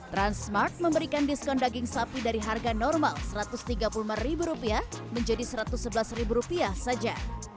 transmart memberikan diskon daging sapi dari harga normal rp satu ratus tiga puluh lima menjadi rp satu ratus sebelas saja